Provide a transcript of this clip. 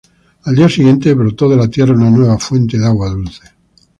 Al día siguiente, brotó de la tierra una nueva fuente de agua dulce.